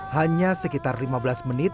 hanya sekitar lima belas menit